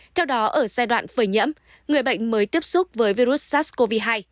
theo đó ở giai đoạn phơi nhiễm người bệnh mới tiếp xúc với virus sars cov hai